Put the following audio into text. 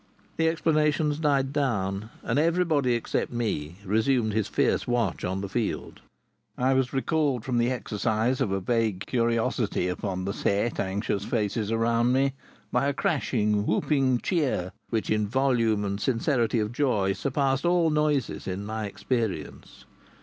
The explanations died down, and everybody except me resumed his fierce watch on the field. I was recalled from the exercise of a vague curiosity upon the set, anxious faces around me by a crashing, whooping cheer which in volume and sincerity of joy surpassed all noises in my experience.